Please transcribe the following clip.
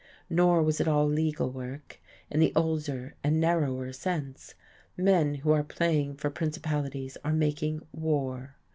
Nor was it all legal work, in the older and narrower sense. Men who are playing for principalities are making war.